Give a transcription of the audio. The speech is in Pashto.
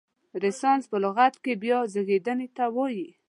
رنسانس په لغت کې بیا زیږیدنې ته وایي.